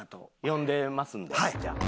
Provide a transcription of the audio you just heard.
呼んでますんでじゃあ。